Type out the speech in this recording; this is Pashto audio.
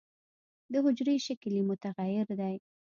د حجرې شکل یې متغیر دی.